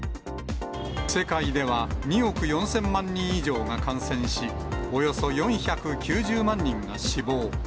世界では２億４０００万人以上が感染し、およそ４９０万人が死亡。